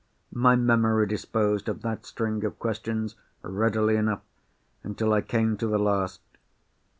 My memory disposed of that string of questions readily enough, until I came to the last.